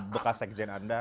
masa kejadian anda